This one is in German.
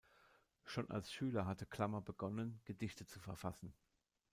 Schon als Schüler hatte Klammer begonnen, Gedichte zu verfassen.